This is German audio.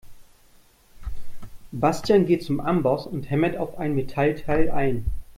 Bastian geht zum Amboss und hämmert auf ein Metallteil ein.